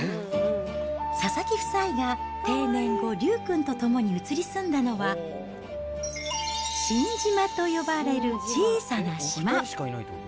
佐々木夫妻が定年後りゅうくんと共に移り住んだのは、新島と呼ばれる小さな島。